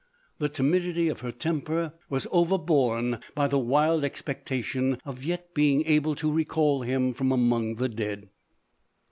The timidity of her temper was overborne by the wild expeetation of yet being able to recall him from among the dead.